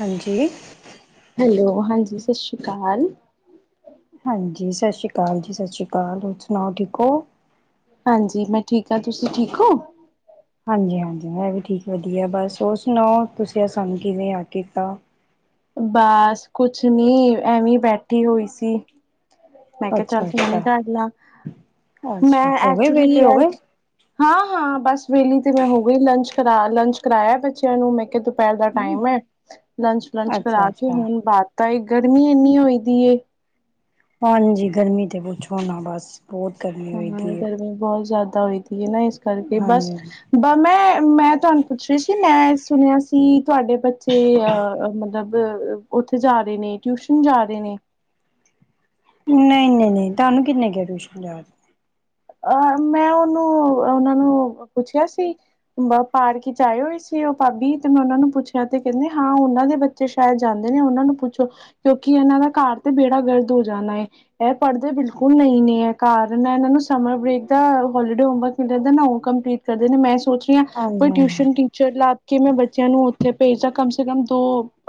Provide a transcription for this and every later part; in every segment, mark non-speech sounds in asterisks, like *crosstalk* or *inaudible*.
ਹਾਂਜੀ ਹੈਲੋ ਹਾਂਜੀ, ਸਤਿ ਸ੍ਰੀ ਅਕਾਲ, ਹਾਂਜੀ ਸਤਿ ਸ਼੍ਰੀ ਅਕਾਲ ਜੀ ਸਤਿ ਸ਼੍ਰੀ ਅਕਾਲ ਹੋਰ ਸੁਣਾਓ ਠੀਕ ਹੋ? ਹਾਂਜੀ ਮੈਂ ਠੀਕ ਆ ਤੁਸੀਂ ਠੀਕ ਹੋ? ਹਾਂਜੀ-ਹਾਂਜੀ, ਮੈਂ ਵੀ ਠੀਕ ਵਧੀਆ ਬਸ, ਹੋਰ ਸੁਣਾਓ ਤੁਸੀਂ ਸਾਨੂੰ ਕਿਵੇਂ ਆ ਕੀਤਾ? ਬਸ ਕੁਛ ਨੀ ਐਵੇਂ ਬੈਠੀ ਹੋਈ ਸੀ। ਮੈਂ ਕਿਹਾ ਚੱਲ ਅੱਛਾ ਫੋਨ ਅੱਛਾ ਹੀ ਕਰ ਲ ਮੈਂ ਅੱਛਾ ਹੋ ਗਏ ਐਕਚੁਲੀ ਵਿਹਲੇ ਹੋ ਹਾਂ ਗਏ ਹਾਂ ਬਸ ਵਹਲੀ ਤੇ ਮੈਂ ਹੋ ਗਈ ਲੰਚ ਕਰਾ ਲੰਚ ਕਰਾਇਆ ਬੱਚਿਆਂ ਨੂੰ ਮੈਂ ਕਿਹਾ ਦੁਪਹਿਰ ਦਾ ਟਾਈਮ ਹੈ ਲੰਚ ਲੰਚ ਅੱਛਾ ਕਰਾ ਕੇ ਅੱਛਾ ਹੁਣ ਬਾ ਤਾਂ ਇਹ ਗਰਮੀ ਇੰਨੀ ਹੋਈ ਦੀ ਹਾਂਜੀ ਗਰਮੀ ਤੇ ਪੁੱਛੋ ਨਾ ਬਸ ਬਹੁਤ ਗਰਮੀ ਹੋਈ ਹਾਂ ਦੀ ਹੈ ਗਰਮੀ ਬਹੁਤ ਜ਼ਿਆਦਾ *inaudible* ਨਾ ਇਸ ਕਰਕੇ ਬਸ ਹਾਂਜੀ ਬ ਮੈਂ ਮੈਂ ਤੁਹਾਨੂੰ ਪੁੱਛ ਰਹੀ ਸੀ ਮੈਂ ਸੁਣਿਆ ਸੀ ਤੁਹਾਡੇ ਬੱਚੇ ਅ ਮਤਲਬ ਉੱਥੇ ਜਾ ਰਹੇ ਨੇ ਟਿਊਸ਼ਨ ਜਾ ਰਹੇ ਨੇ ਨਹੀਂ ਨਹੀਂ ਨਹੀਂ ਤੁਹਾਨੂੰ ਕਿੰਨੇ ਕਿਹਾ ਟਊਸ਼ਨ ਅਹ ਮੈਂ ਉਹਨੂੰ ਉਹਨਾਂ ਨੂੰ ਪੁੱਛਿਆ ਸੀ ਪਾਰਕ ਚ ਆਏ ਹੋਏ ਸੀ ਉਹ ਭਾਬੀ ਤੇ ਮੈਂ ਉਹਨਾਂ ਨੂੰ ਪੁੱਛਿਆ ਤੇ ਕਹਿੰਦੇ ਹਾਂ ਉਹਨਾਂ ਦੇ ਬੱਚੇ ਸ਼ਾਇਦ ਜਾਂਦੇ ਨੇ ਉਹਨਾਂ ਨੂੰ ਪੁੱਛੋ ਕਿਉਂਕਿ ਇਹਨਾਂ ਦਾ ਘਰ ਤੇ ਬੇੜਾ ਗਰਦ ਹੋ ਜਾਣਾ ਹੈ ਇਹ ਪੜ੍ਹਦੇ ਬਿਲਕੁਲ ਨਹੀਂ ਨੇ ਇਹ ਕਾਰਨ ਇਹਨਾਂ ਨੂੰ ਸਮਰ ਬ੍ਰੇਕ ਦਾ ਹੋਲੀਡੇ ਹੋਮਵਰਕ ਮਿਲ ਜਾਂਦਾ ਨਾ ਉਹ ਕੰਪਲੀਟ ਕਰਦੇ ਨੇ ਮੈਂ ਸੋਚ ਹਾਂਜੀ ਕੋਈ ਹਾਂਜੀ ਟਿਊਸ਼ਨ ਟੀਚਰ ਲਾ ਕਿ ਮੈਂ ਬੱਚਿਆਂ ਨੂੰ ਉੱਥੇ ਭੇਜਦਾ ਕਮ ਸੇ ਕਮ ਦੋ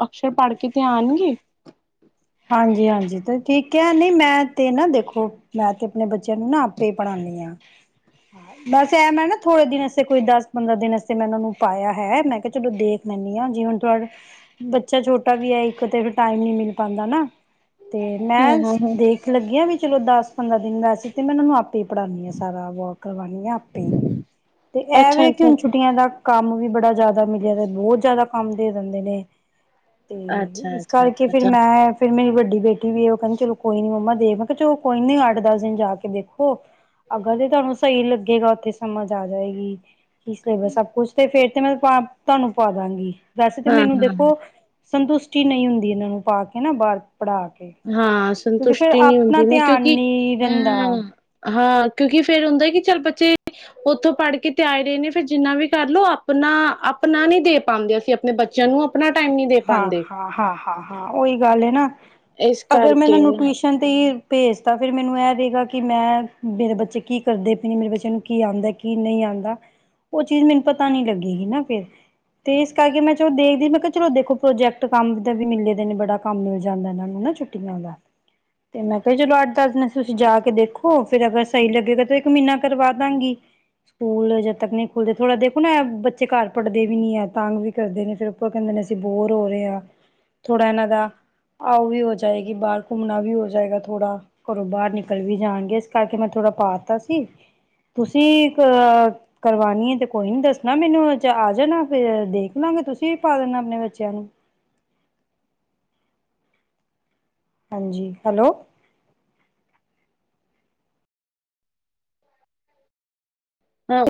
ਅਕਸ਼ਰ ਪੜ੍ਹ ਕੇ ਤੇ ਆਉਣਗੇ ਹਾਂਜੀ ਹਾਂਜੀ ਤੇ ਠੀਕ ਹੈ ਨਹੀਂ ਮੈਂ ਤੇ ਨਾ ਦੇਖੋ ਮੈਂ ਤੇ ਆਪਣੇ ਬੱਚਿਆਂ ਨੂੰ ਨਾ ਆਪੇ ਪੜ੍ਹਾਉਦੀ ਹ ਬਸ ਐ ਮੈਂ ਨਾ ਥੋੜੇ ਦਿਨ ਕੋਈ ਦਸ ਪੰਦਦਰਾਂ ਦਿਨ ਮੈਂ ਨੂੰ ਪਾਇਆ ਹੈ ਮੈਂ ਕਿਹਾ ਚਲੋ ਦੇਖ ਲੈਂਦੀ ਹਾਂ ਜੀ ਹੁਣ ਬੱਚਾ ਛੋਟਾ ਵੀ ਹੈ ਇੱਕ ਤੇ ਟਾਈਮ ਨ ਮਿਲ ਪਾਉਦਾ ਨਾ ਤੇ ਮੈਂ ਹਾਂ ਹਾਂ ਹਾਂ ਦੇਖ ਲੱਗੀ ਹ ਵੀ ਚਲੋ ਦਸ ਪੰਦਰਾਂ ਦਿੰਦਾ ਸੀ ਤੇ ਮੈਂ ਉਹਨਾਂ ਨੂੰ ਆਪੇ ਹੀ ਪੜ੍ਹਾਉਂਦੀ ਹਾਂ ਸਾਰਾ ਵਰਕ ਕਰਵਾਉਣੀ ਹਾਂ ਆਪੇ ਹੀ ਤੇ ਇਹ ਅੱਛਾ ਵੀ ਕਿ ਅੱਛਾ ਹੁਣ ਅੱਛਾ ਛੁੱਟੀਆਂ ਦਾ ਕੰਮ ਵੀ ਬੜਾ ਜ਼ਿਆਦਾ ਮਿਲਿਆ ਤੇ ਬਹੁਤ ਜ਼ਿਆਦਾ ਆਮ ਦੇ ਦਿੰਦੇ ਨੇ ਤੇ ਅੱਛਾ ਅੱਛਾ ਇਸ ਕਰਕੇ ਅੱਛਾ ਫਿਰ ਅੱਛਾ ਮੈਂ ਫਿਰ ਮੇਰੀ ਵੱਡੀ ਹ ਵੀ ਉਹਹਦੀ ਚਲੋ ਕੋਈ ਨੀ ਮੰਮਾ ਮੈਂ ਕਿਹਾ ਚਲੋ ਕੋਈ ਨੀ ਅੱਠ ਦਸ ਦਿਨ ਜਾ ਕੇ ਦੇਖੋ ਅੱਗਾਂ ਤੇ ਤੁਹਾਨੂੰ ਸਹੀ ਲੱਗੇਗਾ ਉੱਥੇ ਸਮਝ ਆ ਜਾਏਗੀ ਇਸ ਲਈ ਬਸ ਸਭ ਕੁਛ ਤੇ ਫੇਰ ਤੇ ਮੈਂ ਤੁਹਾਨੂੰ ਪਾ ਦਾਂਗੀ ਦੱਸ ਤੇ ਹਾਂ ਮੈਨੂੰ ਹਾਂ ਹਾਂ ਦੇਖੋ ਸੰਤੁਸ਼ਟੀ ਨਹੀਂ ਹੁੰਦੀ ਇਹਨਾਂ ਨੂੰ ਪਾ ਕੇ ਨਾ ਬਾਹਰ ਪੜ੍ਹਾ ਕੇ ਹਾਂ ਕਿਉਂਕਿ ਫਿਰ ਸੰਤੁਸ਼ਟੀ ਨਹੀਂੀ ਆਪਣਾ ਹੁੰਦੀ ਨਾ ਧਿਆਨ ਕਿਉਂਕਿ ਨੀ ਰਹਿੰਦਾ ਹਾਂ ਹਾਂ ਕਿਉਂਕਿ ਫੇਰ ਹੁੰਦਾ ਕਿ ਚੱਲ ਬੱਚੇ ਉੱਥੋਂ ਪੜ੍ਹ ਕੇ ਤੇ ਆਏ ਰਹੇ ਨੇ ਫੇਿਰ ਜਿੰਨਾ ਵੀ ਕਰਲ ਆਪਣਾ ਆਪਣਾ ਨੀ ਦੇ ਪਾਉਂਦੇ ਅਸੀਂ ਆਪਣੇ ਬੱਚਿਆਂ ਨੂੰ ਆਪਣਾ ਟਾਈਮ ਨੀ ਦੇ ਹਾਂ ਪਾਉਂਦੇ ਹਾਂ ਹਾਂ ਹਾਂ ਹਾਂ ਉਹੀ ਗੱਲ ਹੈ ਨਾ ਇਸ ਅਗਰ ਮੈਂ ਇਹਨਾਂ ਕਰਕੇ ਨੂੰ, ਨਾ ਟਿਊਸ਼ਨ ਤੇ ਭੇਜ ਤ ਫੇਰ ਮੈਨੂੰ ਇਹ ਰਹੇਗਾ ਕਿ ਮੈਂ, ਮੇਰੇ ਬੱਚੇ ਕੀ ਕਰਦੇ ਪਏ ਨੇ, ਮੇਰੇ ਬੱਚੇ ਨੂੰ ਕੀ ਆੰਦੈ ਕੀ ਨਹੀਂ ਆੰਦੈ, ਉਹ ਚੀਜ਼ ਮੈਨੂੰ ਪਤਾ ਨੀ ਲੱਗੇਗੀ ਨਾ ਫੇਰ, ਤੇ ਇਸ ਕਰਕੇ ਮੈਂ ਚਲ ਦੇਖਦੀ, ਮੈਂ ਕ ਚਲੋ ਦੇਖੋ ਪ੍ਰੋਜੈਕਟ ਕੰਮ ਦਾ ਵੀ ਮਿਲੇ ਦੇ ਨੇ, ਬੜਾ ਕੰਮ ਮਿਲ ਜਾਂਦਾ ਇਹਨਾਂ ਨੂੰ ਨਾ ਛੁੱਟੀਆਂ ਦਾ, ਤੇ ਮੈਂ ਕਿਹਾ ਚਲੋ ਅੱਠ- ਦੱਸ ਦਿਨ ਤੁਸੀਂ ਜਾ ਕੇ ਦੇਖੋ ਫਰ ਅਗਰ ਸਹੀ ਲੱਗੇਗਾ, ਤੇ ਇੱਕ ਮਹੀਨਾ ਕਰਵਾ ਦਾਂਗੀ, ਸਕੂਲ ਜਦ ਤੱਕ ਨਹੀਂ ਖੁੱਲਦੇ, ਥੋੜ੍ਹਾ ਦੇਖੋ ਨਾ ਬੱਚੇ ਘਰ ਪੜ੍ਹਦੇ ਵੀ ਨੀ ਹੈ, ਤੰਗ ਵੀ ਕਰਦੇ ਨੇ ਫੇਰ ਉਰ ਕਹਿੰਦੇ ਨੇ ਬੋਰ ਹੋ ਰਹੇ ਹ ਥੋੜਾ ਇਹਨਾਂ ਦਾ ਆਓ ਵੀ ਹੋ ਜਾਏਗੀ, ਬਾਹਰ ਘੁੰਮਣਾ ਵੀ ਹੋ ਜਾਏਗਾ ਥੋੜਾ, ਘਰੋਂ ਬਾਹਰ ਨਿਕਲ ਵੀ ਜਾਣਗੇ ਇਸ ਕਰਕੇ ਮੈਂ ਥੋੜਾ ਪਾ ਦਿੱਤਾ ਸੀ, ਤੁਸੀਂ ਅ ਕਰਵਾਾਨ ਹੈ ਤੇ ਕੋਈ ਨੀ ਦੱਸਣਾ ਮੈਨੂੰ, ਆ ਜਾਣਾ ਫ ਦੇਖ ਲਵਾਂਗੇ ਤੁਸੀਂ ਵੀ ਪਾ ਦੇਣਾ ਆਪਣੇ। ਬੱਚਿਆਂ ਨੂੰ ਹਾਂਜੀ, ਹੈਲੋ। ਹਾਂ।